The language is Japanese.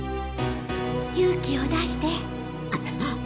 勇気を出して！